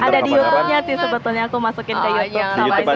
ada di youtubenya sih sebetulnya aku masukin ke youtube